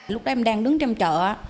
lúc đó em đang đứng trên chợ